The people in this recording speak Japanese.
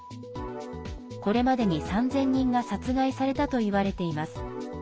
これまでに３０００人が殺害されたといわれています。